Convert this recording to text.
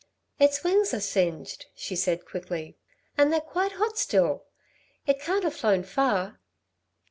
"Its wings are singed," she said quickly, "and they're quite hot still! It can't have flown far."